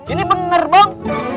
ini bener bang